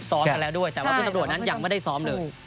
ซ้อมกันแล้วด้วยแต่ว่าคุณตำรวจนั้นยังไม่ได้ซ้อมเลย